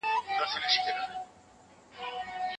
که په صبر کار واخلې نو نتيجه به يې ښه وي.